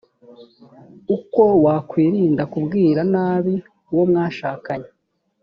uko wakwirinda kubwira nabi uwo mwashakanye